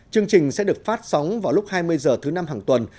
chương trình sẽ được phát sóng vào lúc hai mươi h thứ năm hàng tuần